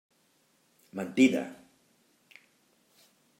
Mentida!